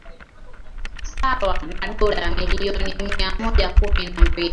sawa na dola milioni mia mmoja kumi na mbili